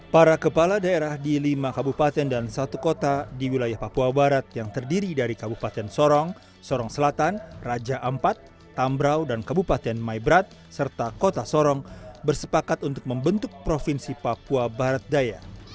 para kepala daerah di lima kabupaten dan satu kota di wilayah papua barat yang terdiri dari kabupaten sorong sorong selatan raja ampat tambrau dan kabupaten maibrat serta kota sorong bersepakat untuk membentuk provinsi papua barat daya